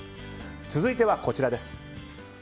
続いてはこちらです。